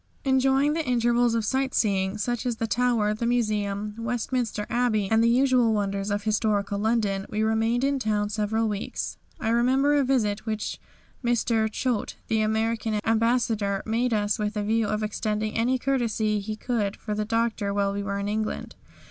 Enjoying the intervals of sight seeing, such as the Tower, the Museum, Westminster Abbey, and the usual wonders of historical London, we remained in town several weeks. I remember a visit which Mr. Choate, the American Ambassador, made us with a view to extending any courtesy he could for the Doctor while we were in England.